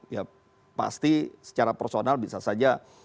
ya pasti secara personal bisa saja